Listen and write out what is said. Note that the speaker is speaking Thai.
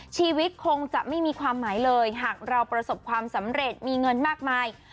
ชีวิตคงจะไม่มีความหมายเลยหากเราประสบความสำเร็จมีเงินมากมาย